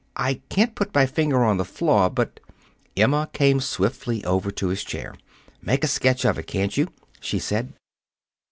I can't put my finger on the flaw, but " Emma came swiftly over to his chair. "Make a sketch of it, can't you?" she said.